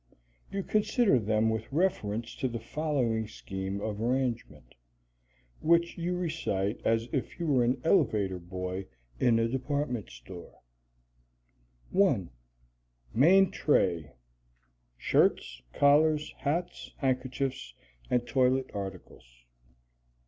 You consider them with reference to the following scheme of arrangement, which you recite as if you were an elevator boy in a department store: 1. Main Tray. Shirts, collars, hats, handkerchiefs, and toilet articles.